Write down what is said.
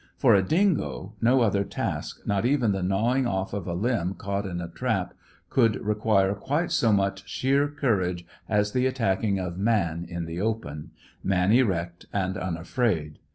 For a dingo, no other task, not even the gnawing off of a limb caught in a trap, could require quite so much sheer courage as the attacking of Man in the open man erect and unafraid.